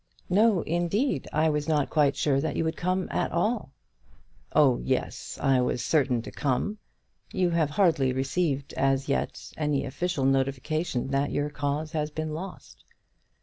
"No, indeed; I was not quite sure that you would come at all." "Oh, yes; I was certain to come. You have hardly received as yet any official notification that your cause has been lost."